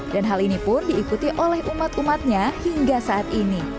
dan hal ini pun diikuti oleh umat umatnya hingga saat ini